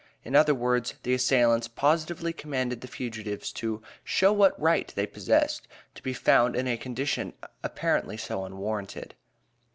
In other words, the assailants positively commanded the fugitives to "show what right" they possessed, to be found in a condition apparently so unwarranted.